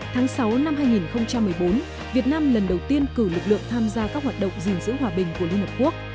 tháng sáu năm hai nghìn một mươi bốn việt nam lần đầu tiên cử lực lượng tham gia các hoạt động gìn giữ hòa bình của liên hợp quốc